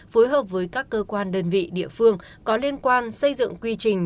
phối hợp với các cơ quan đơn vị địa phương có liên quan xây dựng quy trình